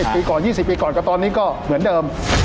ปีก่อน๒๐ปีก่อนก็ตอนนี้ก็เหมือนเดิม